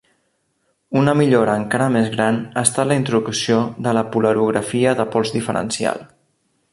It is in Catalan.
Una millora encara més gran ha estat la introducció de la polarografia de pols diferencial.